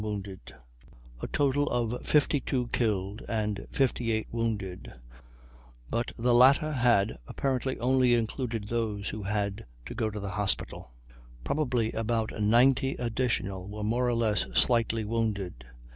1 A total of 52 killed and 58 wounded; but the latter head apparently only included those who had to go to the hospital. Probably about 90 additional were more or less slightly wounded.